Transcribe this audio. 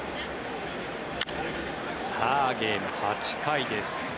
ゲーム、８回です。